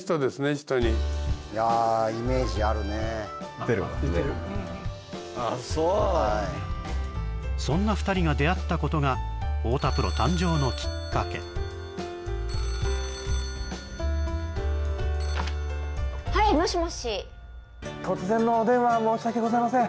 人にあっそうそんな二人が出会ったことが太田プロ誕生のきっかけはいもしもし突然のお電話申し訳ございません